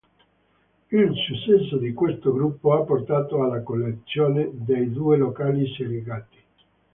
Il successo di questo gruppo ha portato alla coalizione dei due locali segregati.